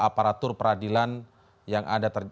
aparatur peradilan yang ada